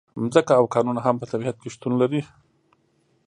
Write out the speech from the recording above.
ځمکه او کانونه هم په طبیعت کې شتون لري.